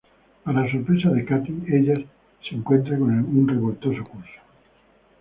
Para sorpresa de Cathy, ella se encuentra con un revoltoso curso.